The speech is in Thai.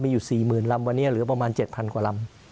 มีอยู่๔๐๐๐ลำวันนี้เหลือประมาณ๗๐๐กว่าลำ